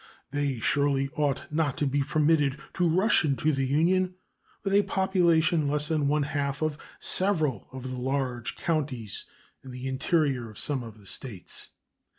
They surely ought not to be permitted to rush into the Union with a population less than one half of several of the large counties in the interior of some of the States.